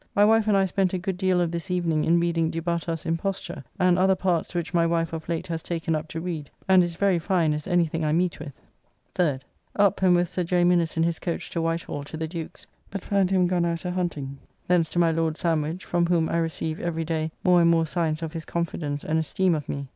My wife and I spent a good deal of this evening in reading "Du Bartas' Imposture" and other parts which my wife of late has taken up to read, and is very fine as anything I meet with. 3d. Up and with Sir J. Minnes in his coach to White Hall, to the Duke's; but found him gone out a hunting. Thence to my Lord Sandwich, from whom I receive every day more and more signs of his confidence and esteem of me.